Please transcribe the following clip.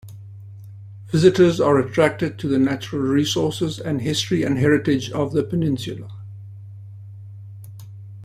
Visitors are attracted to the natural resources, and history and heritage of the peninsula.